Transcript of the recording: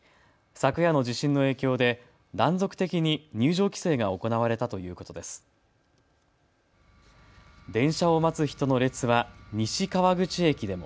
昨夜の地震の影響で断続的に入場規制が行われたということです。